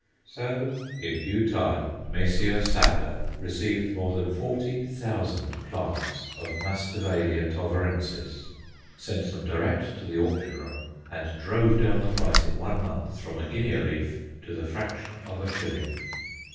So, in due time, Messrs. Sander received more than forty thousand plants of Masdevallia Tovarensis sent them direct to the auction room and drove down the price in one month from a guinea a leaf to the fraction of a shilling.